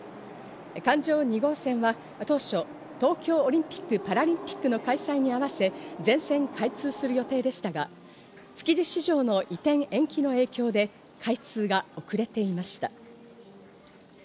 環状２号線は当初、東京オリンピック・パラリンピックの開催に合わせ全線開通する予定でしたが、築地市場の移転延期の影響で開通が遅れていました。